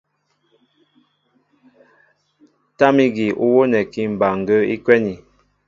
Tâm ígi ú wónɛkí mbaŋgə́ə́ í kwɛ́nī.